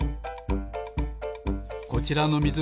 こちらのみず